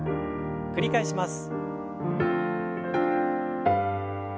繰り返します。